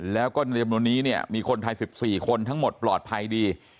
แล้วก็ในจำนวนนี้เนี่ยมีคนไทย๑๔คนทั้งหมดปลอดภัยดี